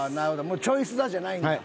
もうチョイ菅田じゃないんだ。